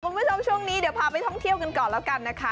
คุณผู้ชมช่วงนี้เดี๋ยวพาไปท่องเที่ยวกันก่อนแล้วกันนะคะ